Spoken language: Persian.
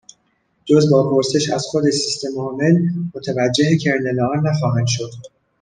جز با پرسش از خود سیستمعامل، متوجّه کرنل آن نخواهند شد